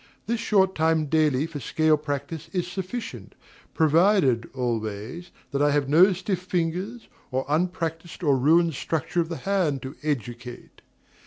This short time daily for scale practice is sufficient, provided, always, that I have no stiff fingers, or unpractised or ruined structure of the hand to educate.